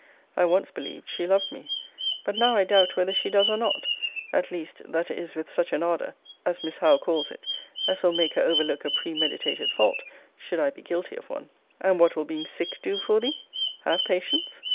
I once believed she loved me: but now I doubt whether she does or not: at least, that it is with such an ardour, as Miss Howe calls it, as will make her overlook a premeditated fault, should I be guilty of one. And what will being sick do for thee? Have patience.